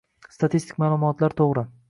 Statistik ma'lumotlar to'g'ri